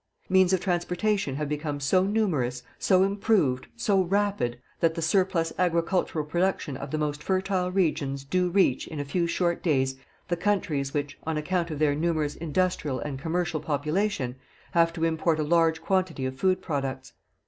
Means of transportation have become so numerous, so improved, so rapid, that the surplus agricultural production of the most fertile regions do reach, in a few short days, the countries which, on account of their numerous industrial and commercial population, have to import a large quantity of food products.